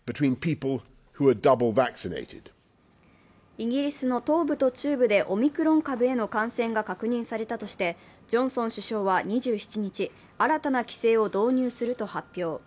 イギリスの東部と中部でオミクロン株への感染が確認されたとして、ジョンソン首相は２７日、新たな規制を導入すると発表。